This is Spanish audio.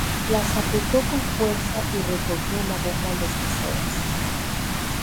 Las apretó con fuerza y recogió en la boca los deseos.